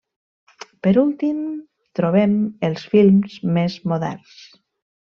Per últim, trobem els films més moderns.